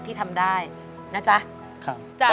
ที่ทำได้นะจ๊ะ